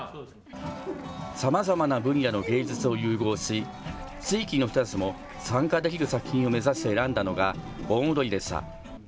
さまざまな分野の芸術を融合し地域の人たちも参加できる作品を目指して選んだのが盆踊りでした。